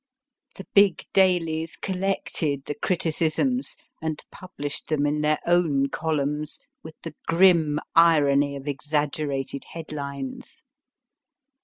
The big dailies collected the criticisms and published them in their own columns with the grim irony of exaggerated head lines.